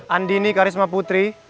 andini karisma putri